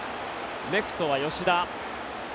レフトは吉田。